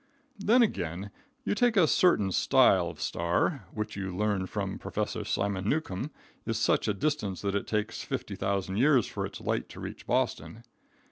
Then, again, you take a certain style of star, which you learn from Professor Simon Newcomb is such a distance that it takes 50,000 years for its light to reach Boston.